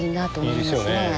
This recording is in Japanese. いいですよね。